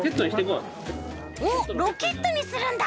おっロケットにするんだ！